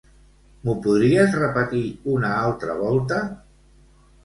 M'ho podries repetir una altra volta?